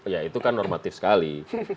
ya itu kan normatif sekali